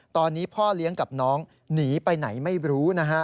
ตอนนี้พ่อเลี้ยงกับน้องหนีไปไหนไม่รู้นะฮะ